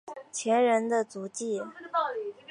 前人的足迹